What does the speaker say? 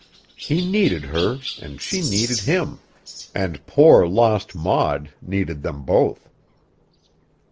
He needed her and she needed him; and poor, lost Maud needed them both.